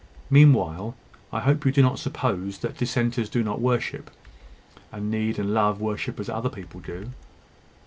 Meanwhile, I hope you do not suppose that dissenters do not worship and need and love worship as other people do!"